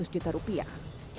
tiga ratus juta rupiah